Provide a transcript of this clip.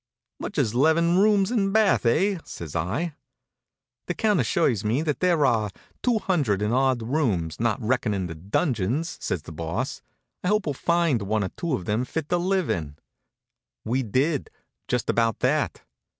"Much as 'leven rooms and bath, eh?" says I. "The Count assures me that there are two hundred and odd rooms, not reckoning the dungeons," said the Boss. "I hope we'll find one or two of them fit to live in." We did, just about that.